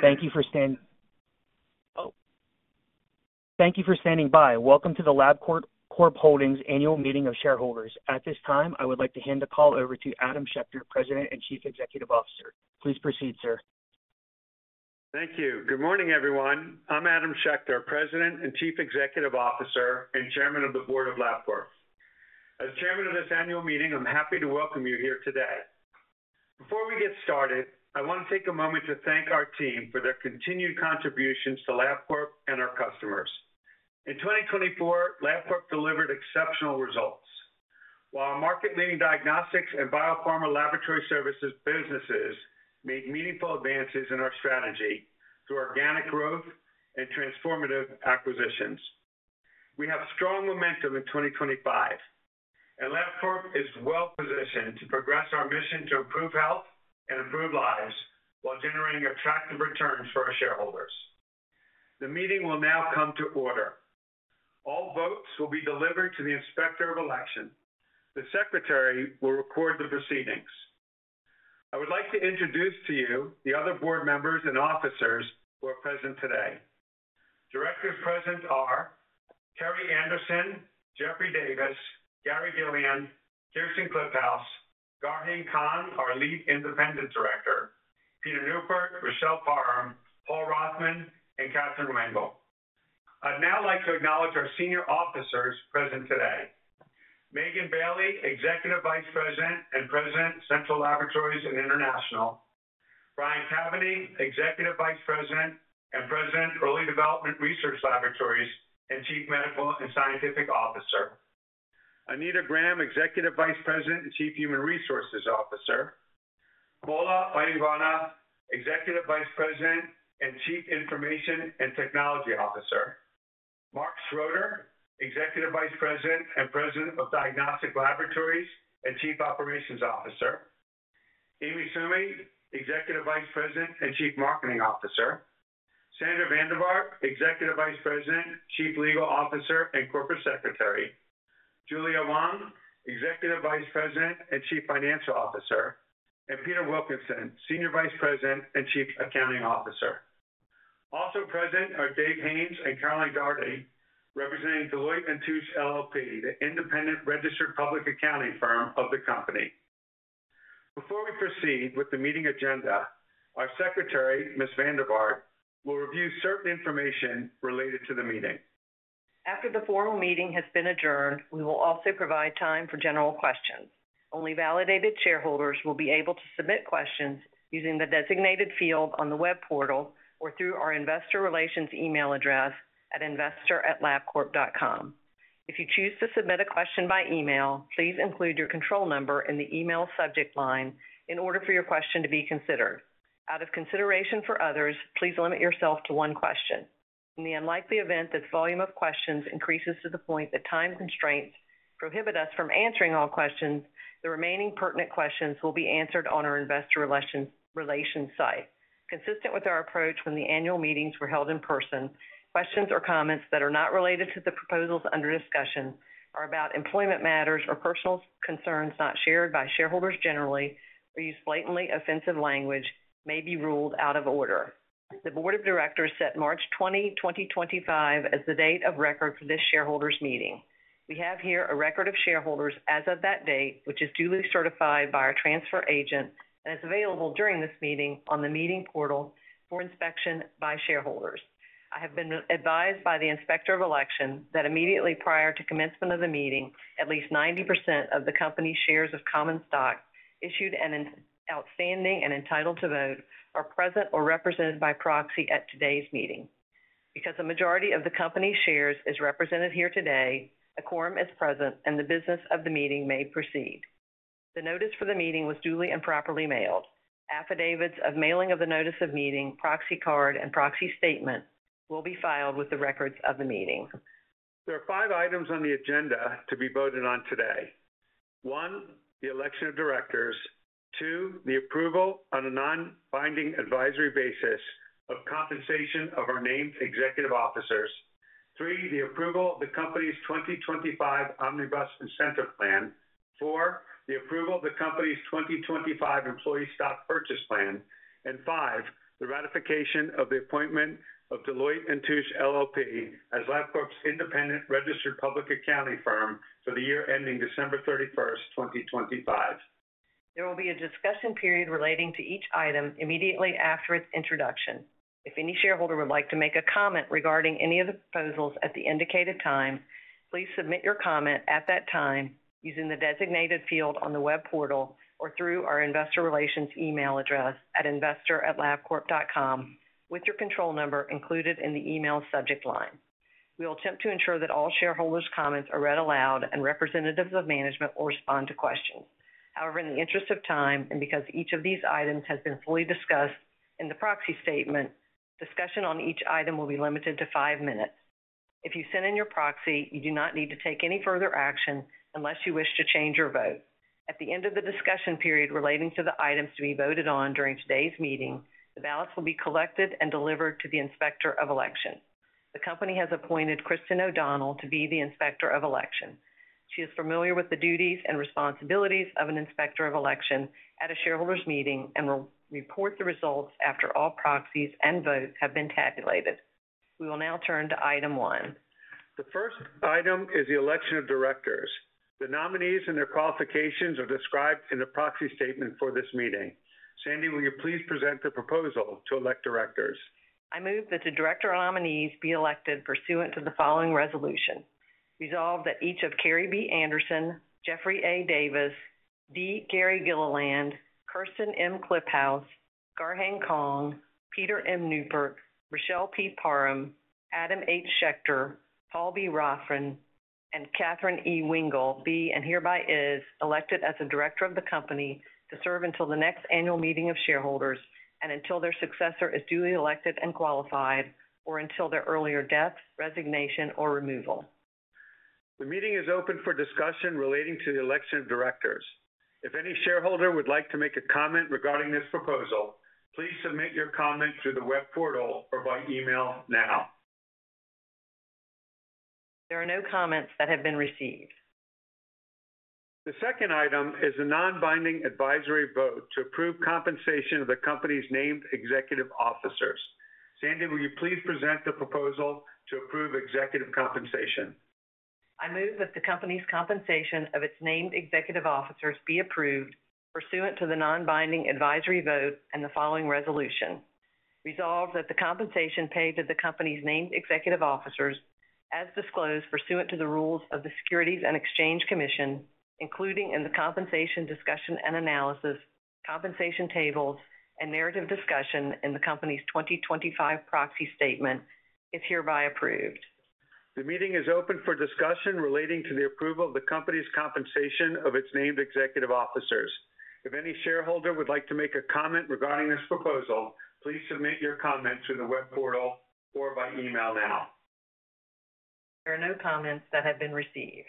Thank you for standing by. Welcome to the Labcorp Holdings annual meeting of shareholders. At this time, I would like to hand the call over to Adam Schechter, President and Chief Executive Officer. Please proceed, sir. Thank you. Good morning, everyone. I'm Adam Schechter, President and Chief Executive Officer and Chairman of the Board of Labcorp. As Chairman of this annual meeting, I'm happy to welcome you here today. Before we get started, I want to take a moment to thank our team for their continued contributions to Labcorp and our customers. In 2024, Labcorp delivered exceptional results, while our market-leading diagnostics and biopharma laboratory services businesses made meaningful advances in our strategy through organic growth and transformative acquisitions. We have strong momentum in 2025, and Labcorp is well-positioned to progress our mission to improve health and improve lives while generating attractive returns for our shareholders. The meeting will now come to order. All votes will be delivered to the Inspector of Election. The Secretary will record the proceedings. I would like to introduce to you the other board members and officers who are present today. Directors present are Terry Andersson, Jeffrey Davis, D. Gary Gilliland, Kirsten M. Kliphaus, Garheng Khulbe, our Lead Independent Director, Peter M. Newport, Rochelle P. Parham, Paul B. Rothman, and Katherine E. Wingle. I'd now like to acknowledge our senior officers present today, Megan Bailey, Executive Vice President and President of Central Laboratories and International, Brian Cavanagh, Executive Vice President and President of Early Development Research Laboratories and Chief Medical and Scientific Officer, Anita Graham, Executive Vice President and Chief Human Resources Officer, Paula Vodivana, Executive Vice President and Chief Information and Technology Officer, Mark Schroeder, Executive Vice President and President of Diagnostic Laboratories and Chief Operations Officer, Amy Soumi, Executive Vice President and Chief Marketing Officer, Sandra Vandevart, Executive Vice President, Chief Legal Officer, and Corporate Secretary, Julia Wang, Executive Vice President and Chief Financial Officer, and Peter Wilkinson, Senior Vice President and Chief Accounting Officer. Also present are Dave Haynes and Caroline Doherty, representing Deloitte & Touche LLP, the independent registered public accounting firm of the company. Before we proceed with the meeting agenda, our Secretary, Ms. Vandevart, will review certain information related to the meeting. After the formal meeting has been adjourned, we will also provide time for general questions. Only validated shareholders will be able to submit questions using the designated field on the web portal or through our investor relations email address at investor@labcorp.com. If you choose to submit a question by email, please include your control number in the email subject line in order for your question to be considered. Out of consideration for others, please limit yourself to one question. In the unlikely event that the volume of questions increases to the point that time constraints prohibit us from answering all questions, the remaining pertinent questions will be answered on our investor relations site. Consistent with our approach when the annual meetings were held in person, questions or comments that are not related to the proposals under discussion or about employment matters or personal concerns not shared by shareholders generally or use blatantly offensive language may be ruled out of order. The Board of Directors set March 20, 2025, as the date of record for this shareholders' meeting. We have here a record of shareholders as of that date, which is duly certified by our transfer agent and is available during this meeting on the meeting portal for inspection by shareholders. I have been advised by the Inspector of Election that immediately prior to commencement of the meeting, at least 90% of the company's shares of common stock issued and outstanding and entitled to vote are present or represented by proxy at today's meeting. Because the majority of the company's shares is represented here today, a quorum is present, and the business of the meeting may proceed. The notice for the meeting was duly and properly mailed. Affidavits of mailing of the notice of meeting, proxy card, and proxy statement will be filed with the records of the meeting. There are five items on the agenda to be voted on today. One, the election of directors. Two, the approval on a non-binding advisory basis of compensation of our named executive officers. Three, the approval of the company's 2025 Omnibus Incentive Plan. Four, the approval of the company's 2025 Employee Stock Purchase Plan. Five, the ratification of the appointment of Deloitte & Touche LLP as Labcorp's independent registered public accounting firm for the year ending December 31, 2025. There will be a discussion period relating to each item immediately after its introduction. If any shareholder would like to make a comment regarding any of the proposals at the indicated time, please submit your comment at that time using the designated field on the web portal or through our investor relations email address at investor@labcorp.com with your control number included in the email subject line. We will attempt to ensure that all shareholders' comments are read aloud and representatives of management will respond to questions. However, in the interest of time and because each of these items has been fully discussed in the proxy statement, discussion on each item will be limited to five minutes. If you send in your proxy, you do not need to take any further action unless you wish to change your vote. At the end of the discussion period relating to the items to be voted on during today's meeting, the ballots will be collected and delivered to the Inspector of Election. The company has appointed Kristin O'Donnell to be the Inspector of Election. She is familiar with the duties and responsibilities of an Inspector of Election at a shareholders' meeting and will report the results after all proxies and votes have been tabulated. We will now turn to item one. The first item is the election of directors. The nominees and their qualifications are described in the proxy statement for this meeting. Sandy, will you please present the proposal to elect directors? I move that the director nominees be elected pursuant to the following resolution, Resolved that each of Carrie B. Anderson, Jeffrey A. Davis, D. Gary Gilliland, Kirsten M. Kliphaus, Garheng Khulbe, Peter M. Newport, Rochelle P. Parham, Adam H. Schechter, Paul B. Rothman, and Katherine E. Wingle be and hereby is elected as the director of the company to serve until the next annual meeting of shareholders and until their successor is duly elected and qualified or until their earlier death, resignation, or removal. The meeting is open for discussion relating to the election of directors. If any shareholder would like to make a comment regarding this proposal, please submit your comment through the web portal or by email now. There are no comments that have been received. The second item is a non-binding advisory vote to approve compensation of the company's named executive officers. Sandy, will you please present the proposal to approve executive compensation? I move that the company's compensation of its named executive officers be approved pursuant to the non-binding advisory vote and the following resolution: Resolved that the compensation paid to the company's named executive officers, as disclosed pursuant to the rules of the Securities and Exchange Commission, including in the compensation discussion and analysis, compensation tables, and narrative discussion in the company's 2025 Proxy Statement, is hereby approved. The meeting is open for discussion relating to the approval of the company's compensation of its named executive officers. If any shareholder would like to make a comment regarding this proposal, please submit your comment through the web portal or by email now. There are no comments that have been received.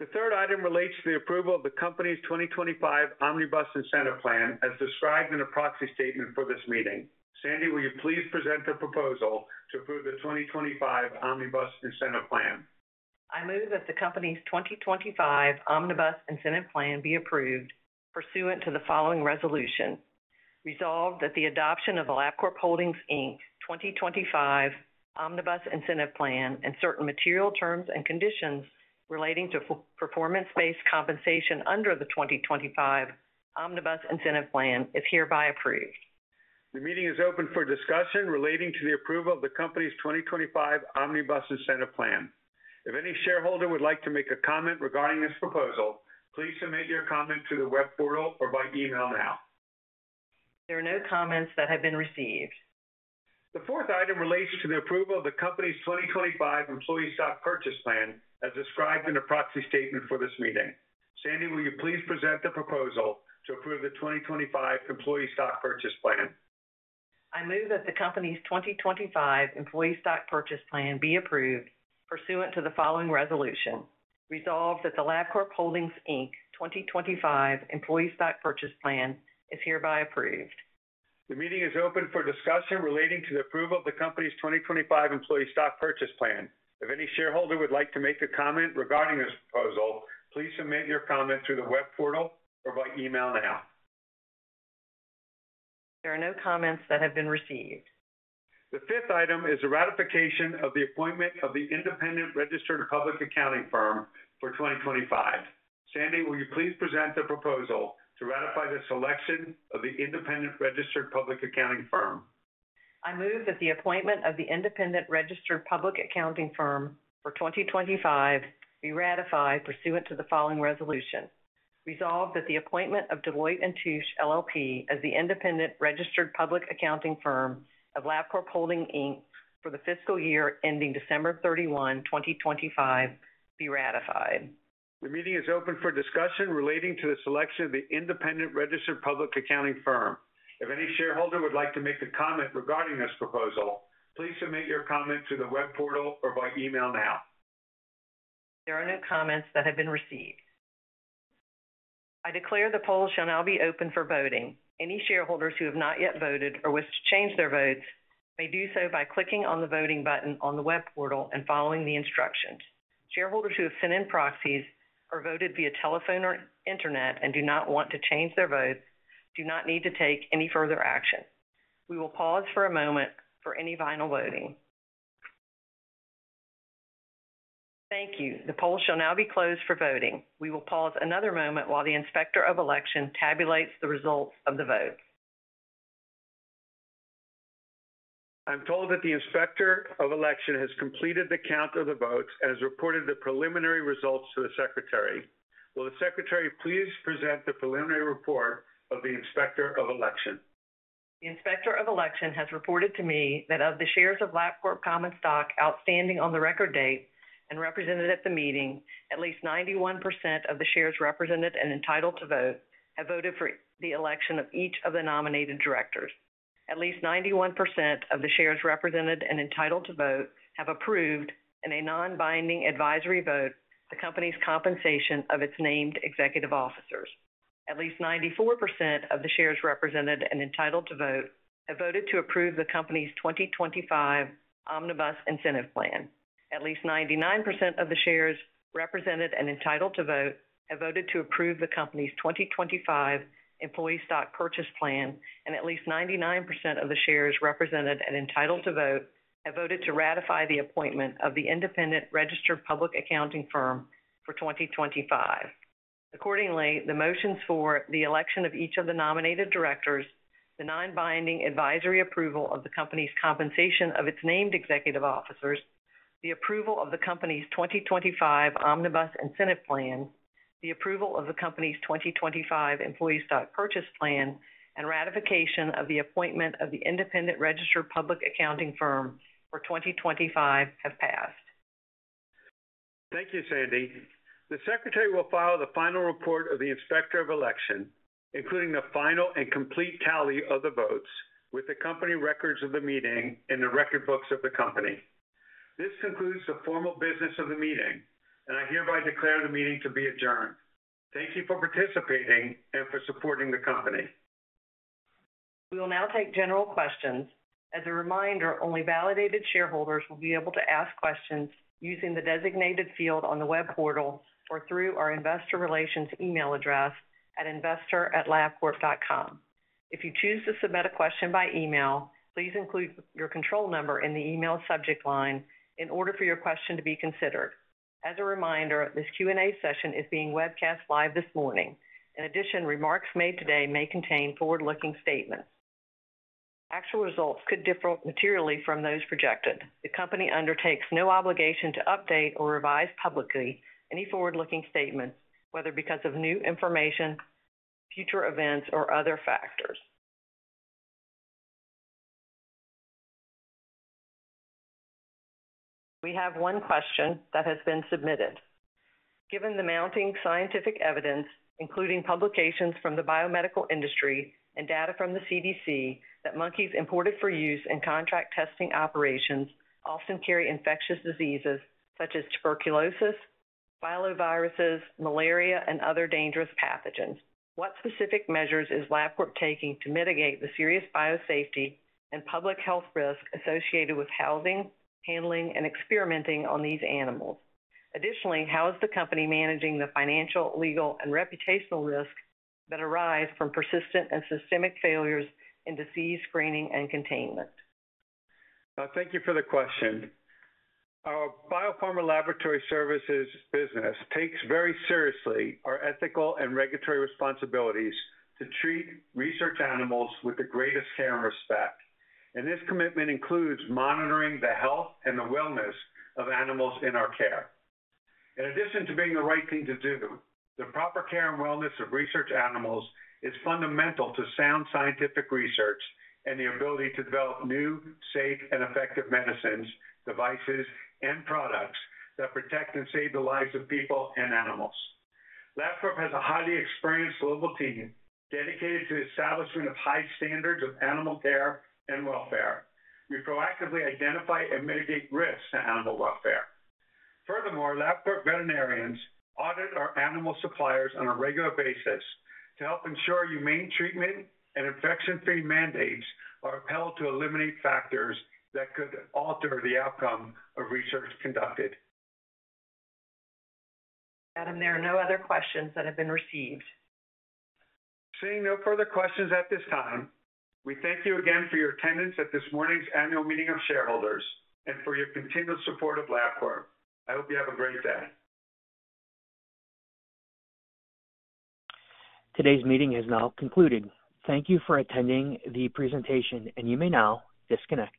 The third item relates to the approval of the company's 2025 Omnibus Incentive Plan as described in the proxy statement for this meeting. Sandy, will you please present the proposal to approve the 2025 Omnibus Incentive Plan? I move that the company's 2025 Omnibus Incentive Plan be approved pursuant to the following resolution: resolve that the adoption of the Labcorp Holdings 2025 Omnibus Incentive Plan and certain material terms and conditions relating to performance-based compensation under the 2025 Omnibus Incentive Plan is hereby approved. The meeting is open for discussion relating to the approval of the company's 2025 Omnibus Incentive Plan. If any shareholder would like to make a comment regarding this proposal, please submit your comment through the web portal or by email now. There are no comments that have been received. The fourth item relates to the approval of the company's 2025 Employee Stock Purchase Plan as described in the proxy statement for this meeting. Sandy, will you please present the proposal to approve the 2025 Employee Stock Purchase Plan? I move that the company's 2025 Employee Stock Purchase Plan be approved pursuant to the following resolution, resolved that the Labcorp Holdings 2025 Employee Stock Purchase Plan is hereby approved. The meeting is open for discussion relating to the approval of the company's 2025 Employee Stock Purchase Plan. If any shareholder would like to make a comment regarding this proposal, please submit your comment through the web portal or by email now. There are no comments that have been received. The fifth item is the ratification of the appointment of the independent registered public accounting firm for 2025. Sandy, will you please present the proposal to ratify the selection of the independent registered public accounting firm? I move that the appointment of the independent registered public accounting firm for 2025 be ratified pursuant to the following resolution: resolve that the appointment of Deloitte & Touche LLP as the independent registered public accounting firm of Labcorp Holdings for the fiscal year ending December 31, 2025, be ratified. The meeting is open for discussion relating to the selection of the independent registered public accounting firm. If any shareholder would like to make a comment regarding this proposal, please submit your comment through the web portal or by email now. There are no comments that have been received. I declare the poll shall now be open for voting. Any shareholders who have not yet voted or wish to change their votes may do so by clicking on the voting button on the web portal and following the instructions. Shareholders who have sent in proxies or voted via telephone or internet and do not want to change their votes do not need to take any further action. We will pause for a moment for any final voting. Thank you. The poll shall now be closed for voting. We will pause another moment while the Inspector of Election tabulates the results of the votes. I'm told that the Inspector of Election has completed the count of the votes and has reported the preliminary results to the Secretary. Will the Secretary please present the preliminary report of the Inspector of Election? The Inspector of Election has reported to me that of the shares of Labcorp common stock outstanding on the record date and represented at the meeting, at least 91% of the shares represented and entitled to vote have voted for the election of each of the nominated directors. At least 91% of the shares represented and entitled to vote have approved, in a non-binding advisory vote, the company's compensation of its named executive officers. At least 94% of the shares represented and entitled to vote have voted to approve the company's 2025 Omnibus Incentive Plan. At least 99% of the shares represented and entitled to vote have voted to approve the company's 2025 Employee Stock Purchase Plan, and at least 99% of the shares represented and entitled to vote have voted to ratify the appointment of the independent registered public accounting firm for 2025. Accordingly, the motions for the election of each of the nominated directors, the non-binding advisory approval of the company's compensation of its named executive officers, the approval of the company's 2025 Omnibus Incentive Plan, the approval of the company's 2025 Employee Stock Purchase Plan, and ratification of the appointment of the independent registered public accounting firm for 2025 have passed. Thank you, Sandy. The Secretary will file the final report of the Inspector of Election, including the final and complete tally of the votes with the company records of the meeting and the record books of the company. This concludes the formal business of the meeting, and I hereby declare the meeting to be adjourned. Thank you for participating and for supporting the company. We will now take general questions. As a reminder, only validated shareholders will be able to ask questions using the designated field on the web portal or through our investor relations email address at investor@labcorp.com. If you choose to submit a question by email, please include your control number in the email subject line in order for your question to be considered. As a reminder, this Q&A session is being webcast live this morning. In addition, remarks made today may contain forward-looking statements. Actual results could differ materially from those projected. The company undertakes no obligation to update or revise publicly any forward-looking statements, whether because of new information, future events, or other factors. We have one question that has been submitted. Given the mounting scientific evidence, including publications from the biomedical industry and data from the CDC, that monkeys imported for use in contract testing operations often carry infectious diseases such as tuberculosis, filoviruses, malaria, and other dangerous pathogens, what specific measures is Labcorp taking to mitigate the serious biosafety and public health risk associated with housing, handling, and experimenting on these animals? Additionally, how is the company managing the financial, legal, and reputational risk that arise from persistent and systemic failures in disease screening and containment? Thank you for the question. Our BioPharma Laboratory Services business takes very seriously our ethical and regulatory responsibilities to treat research animals with the greatest care and respect. This commitment includes monitoring the health and the wellness of animals in our care. In addition to being the right thing to do, the proper care and wellness of research animals is fundamental to sound scientific research and the ability to develop new, safe, and effective medicines, devices, and products that protect and save the lives of people and animals. Labcorp has a highly experienced global team dedicated to the establishment of high standards of animal care and welfare. We proactively identify and mitigate risks to animal welfare. Furthermore, Labcorp veterinarians audit our animal suppliers on a regular basis to help ensure humane treatment and infection-free mandates are upheld to eliminate factors that could alter the outcome of research conducted. Adam, there are no other questions that have been received. Seeing no further questions at this time, we thank you again for your attendance at this morning's annual meeting of shareholders and for your continued support of Labcorp. I hope you have a great day. Today's meeting is now concluded. Thank you for attending the presentation, and you may now disconnect.